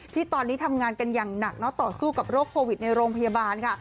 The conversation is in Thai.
ที่ตอนนี้ทำงานกันอย่างหนักต่อสู้กับโรคโควิดในโรงพยาบาลค่ะ